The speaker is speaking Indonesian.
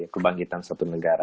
kebangkitan suatu negara